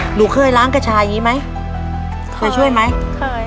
หนูเคยล้างกระชายอย่างนี้ไหมเคยช่วยไหมเคย